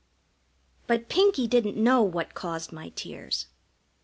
But Pinkie didn't know what caused my tears.